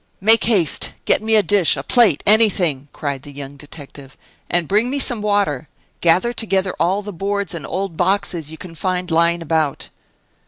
"Make haste: get me a dish a plate anything!" cried the young detective, "and bring me some water; gather together all the boards and old boxes you can find lying about."